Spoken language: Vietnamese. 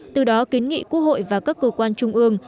từ đó kiến nghị quốc hội và các cơ quan trung ương